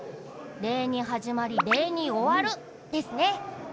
礼に始まり礼に終わる、ですね。